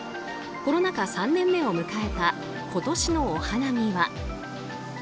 コロナ禍３年目を迎えた今年のお花見は。